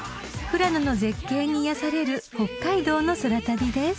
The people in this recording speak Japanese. ［富良野の絶景に癒やされる北海道の空旅です］